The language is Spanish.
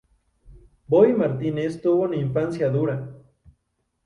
Bobby Martínez tuvo una infancia dura.